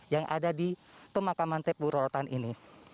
yang ada di pemakaman tepu rorotan ini